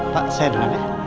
pak saya duluan ya